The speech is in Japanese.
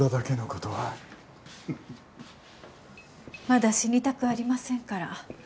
まだ死にたくありませんから。